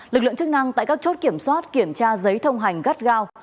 lực lượng chức năng tại các chốt kiểm soát kiểm tra giấy thông hành gắt gao